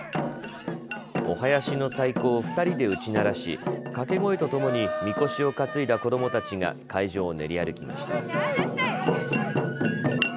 お囃子の太鼓を２人で打ち鳴らし掛け声とともにみこしを担いだ子どもたちが会場を練り歩きました。